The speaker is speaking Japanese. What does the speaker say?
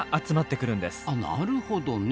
あっなるほどね。